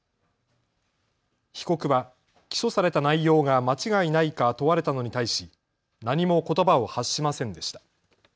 被告は起訴された内容が間違いないか問われたのに対し何もことばを発しませんでした。